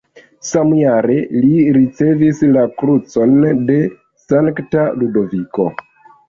Samjare, li ricevis la krucon de Sankta Ludoviko.